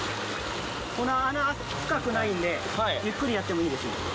この穴深くないんでゆっくりやってもいいですよ。